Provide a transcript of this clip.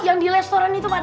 yang di restoran itu pak d